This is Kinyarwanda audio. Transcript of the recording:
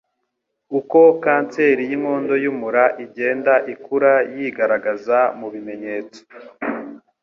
Uko kanseri y'inkondo y'umura igenda ikura yigaragaza mu bimenyetso